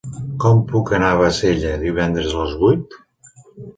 Com puc anar a Bassella divendres a les vuit?